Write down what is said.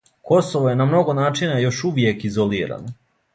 Косово је на много начина још увијек изолирано.